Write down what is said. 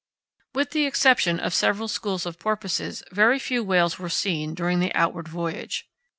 With the exception of several schools of porpoises very few whales were seen during the outward voyage.